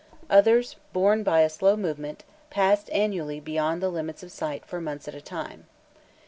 Others borne by a slow movement passed annually beyond the limits of sight for months at a time.